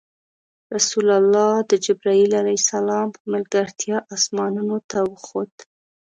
رسول الله د جبرایل ع په ملګرتیا اسمانونو ته وخوت.